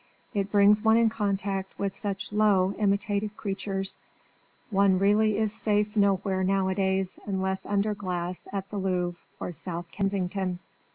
"It brings one in contact with such low, imitative creatures; one really is safe nowhere nowadays unless under glass at the Louvre or South Kensington."